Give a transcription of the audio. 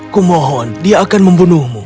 kumohon dia akan membunuhmu